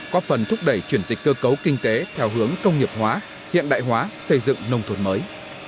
có phần thúc đẩy chuyển dịch cơ cấu kinh tế theo hướng công nghiệp hóa hiện đại hóa xây dựng nông thôn mới